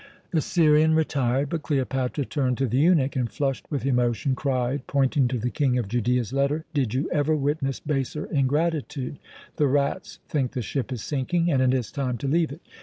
The Syrian retired; but Cleopatra turned to the eunuch and, flushed with emotion, cried, pointing to the King of Judea's letter: "Did you ever witness baser ingratitude? The rats think the ship is sinking, and it is time to leave it.